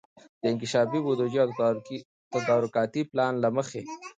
د انکشافي بودیجې او تدارکاتي پلان له مخي